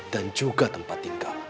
dan juga tempat tinggal